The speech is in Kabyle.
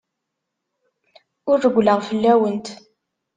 Ur rewwleɣ fell-awent.